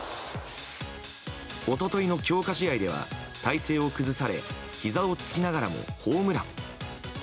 一昨日の強化練習では体勢を崩されひざをつきながらもホームラン。